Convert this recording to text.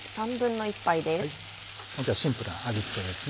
シンプルな味付けですね。